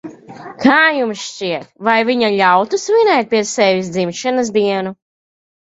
Kā jums šķiet, vai viņa ļautu svinēt pie sevis dzimšanas dienu?